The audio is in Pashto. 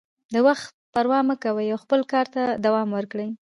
د وخت پروا مه کوئ او خپل کار ته دوام ورکړئ.